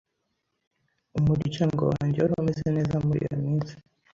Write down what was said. Umuryango wanjye wari umeze neza muri iyo minsi.